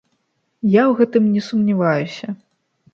Я ў гэтым не сумняваюся.